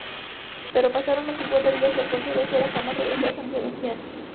Pero pasaron los cincuenta días y Alonso de Ojeda jamás regresó a San Sebastián.